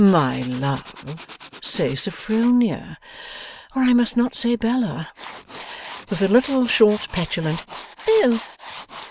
'My love, say Sophronia, or I must not say Bella.' With a little short, petulant 'Oh!